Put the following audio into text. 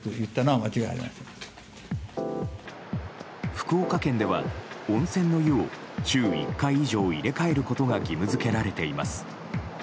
福岡県では温泉の湯を週１回以上入れ替えることが義務付けられています。